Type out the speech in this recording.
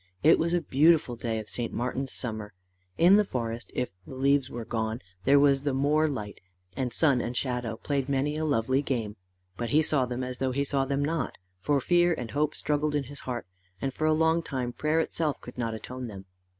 It was a beautiful day of St. Martin's summer. In the forest, if the leaves were gone, there was the more light, and sun and shadow played many a lovely game. But he saw them as though he saw them not, for fear and hope struggled in his heart, and for a long time prayer itself could not atone them.